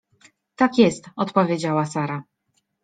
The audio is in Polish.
— Tak jest — odpowiedziała Sara.